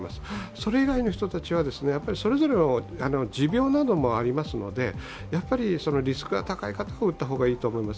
それ以外の人たちはそれぞれの持病などもありますのでリスクが高い方は打った方がいいと思います。